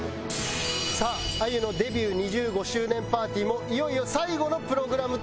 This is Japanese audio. さああゆのデビュー２５周年パーティーもいよいよ最後のプログラムとなりました。